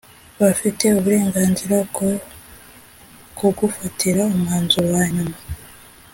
bafite uburenganzira bwo kugufatira umwanzuro wa nyuma